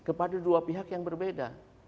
kepada dua pihak yang berbeda